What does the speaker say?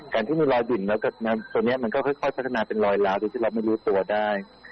การที่เราหุ่นแล้วตัวนี้มันก็ค่อยพัฒนาเป็นรอยล้าวโดยที่เราไม่รู้ตัวได้